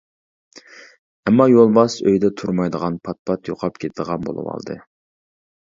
ئەمما يولۋاس ئۆيدە تۇرمايدىغان پات-پات يوقاپ كېتىدىغان بولۇۋالدى.